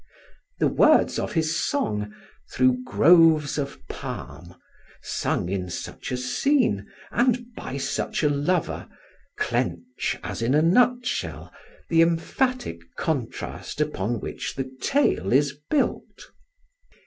The words of his song, "Through groves of palm," sung in such a scene and by such a lover, clench, as in a nutshell, the emphatic contrast upon which the tale is built.